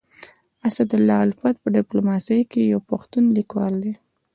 اسدالله الفت په ډيپلوماسي کي يو پښتون ليکوال دی.